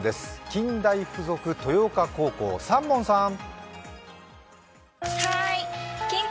近大附属豊岡高校、三門さーん。